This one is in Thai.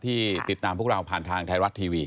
ที่ติดตามพวกเราผ่านทางไทยรัฐทีวี